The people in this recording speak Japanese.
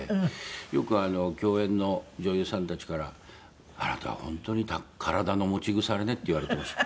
よく共演の女優さんたちから「あなたは本当に体の持ち腐れね」って言われてました。